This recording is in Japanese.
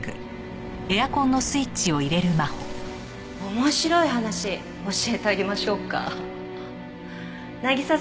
面白い話教えてあげましょうか。